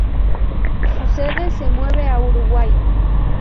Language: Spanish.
Su sede se mueve a Uruguay.